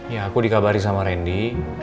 ya aku dikabari sama randy